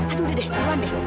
aduh udah deh jalan deh